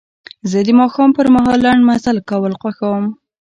زه د ماښام پر مهال لنډ مزل کول خوښوم.